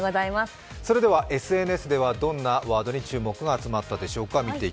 ＳＮＳではどんなワードに注目が集まったでしょうか。